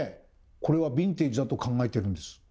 これはヴィンテージだと考えているんです。